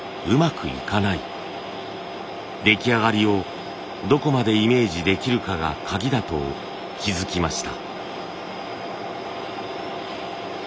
出来上がりをどこまでイメージできるかが鍵だと気付きました。